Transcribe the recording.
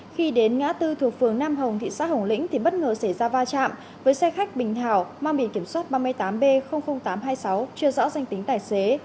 khi đến ngã tư thuộc phường nam hồng thị xã hồng lĩnh thì bất ngờ xảy ra va chạm với xe khách bình thảo mang biển kiểm soát ba mươi tám b tám trăm hai mươi sáu chưa rõ danh tính tài xế